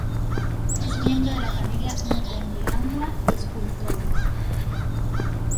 Es miembro de la familia Mukomberanwa de escultores.